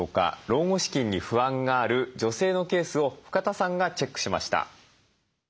老後資金に不安がある女性のケースを深田さんがチェックしました。